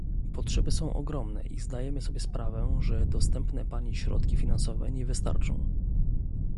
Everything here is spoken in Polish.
Potrzeby są ogromne i zdajemy sobie sprawę, że dostępne Pani środki finansowe nie wystarczą